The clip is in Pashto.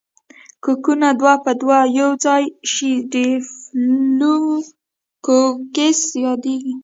کوکونه دوه په دوه یوځای شي ډیپلو کوکس یادیږي.